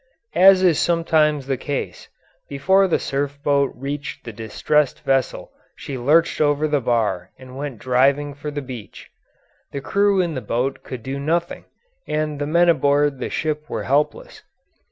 As is sometimes the case, before the surf boat reached the distressed vessel she lurched over the bar and went driving for the beach. The crew in the boat could do nothing, and the men aboard the ship were helpless.